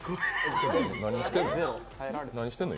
何してんの？